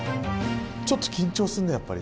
ちょっと緊張するねやっぱり。